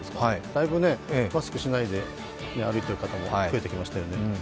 だいぶマスクしないで歩いてる方も増えてきましたよね。